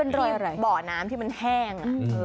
เป็นรอยบ่อน้ำที่มันแห้ง